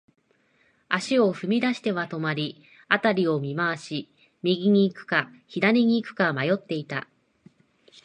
足を踏み出しては止まり、辺りを見回し、右に行くか、左に行くか迷っていた。